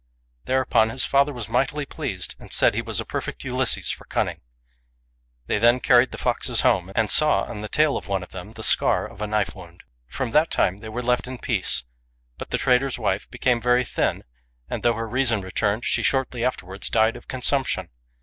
Thereupon his father was mightily pleased, and said he was a perfect Ulysses 2 for cunning. They then carried the foxes home, and saw on the tail of one of them the scar of a knife wound. From that time they were left in peace; but the trader's wife became very thin, and though her reason returned, she shortly after wards died of consumption.